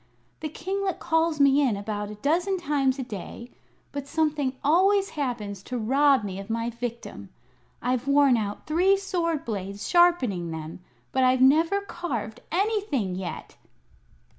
The kinglet calls me in about a dozen times a day, but something always happens to rob me of my victim. I've worn out three sword blades, sharpening them, but I've never carved anything yet!"